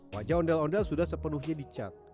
wajah ondel ondel sudah sepenuhnya dicat